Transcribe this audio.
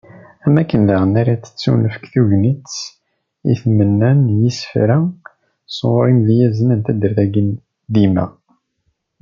Am wakken daɣen ara tettunefk tegnit i tmenna n yisefra sɣur yimedyazen n taddart-agi dimma.